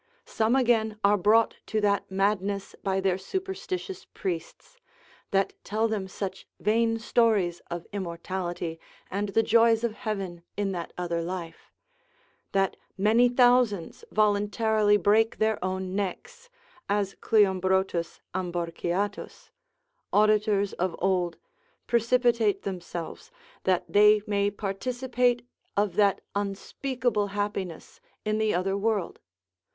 Some again are brought to that madness by their superstitious priests (that tell them such vain stories of immortality, and the joys of heaven in that other life), that many thousands voluntarily break their own necks, as Cleombrotus Amborciatus, auditors of old, precipitate themselves, that they may participate of that unspeakable happiness in the other world.